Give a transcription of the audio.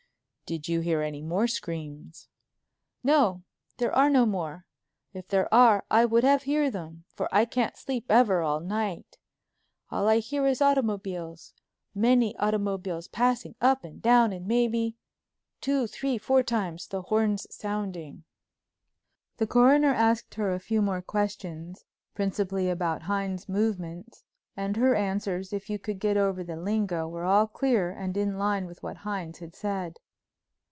"Did you hear any more screams?" "No—there are no more. If there are I would have hear them, for I can't sleep ever all night. All I hear is automobiles—many automobiles passing up and down and maybe—two, three, four times—the horns sounding." The Coroner asked her a few more questions, principally about Hines' movements, and her answers, if you could get over the lingo, were all clear and in line with what Hines had said.